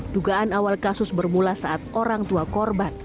dugaan awal kasus bermula saat orang tuanya